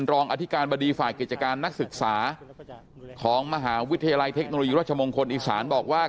รองอธิการบดีฝ่ายกิจการนักศึกษาของมหาวิทยาลัยเทคโนโลยีรัชมงคลอีสานบอกว่า